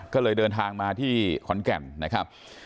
ก็เลยเดินทางมาที่ขอนแก่นนะครับ